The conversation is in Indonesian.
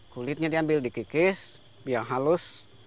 kulitnya diambil dikikis yang halus